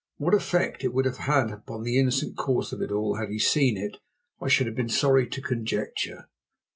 What effect it would have had upon the innocent cause of it all, had he seen it, I should have been sorry to conjecture.